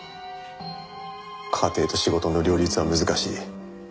家庭と仕事の両立は難しい。